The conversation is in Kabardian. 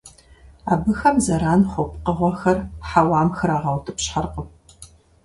Абыхэм зэран хъу пкъыгъуэхэр хьэуам храгъэутӀыпщхьэркъым.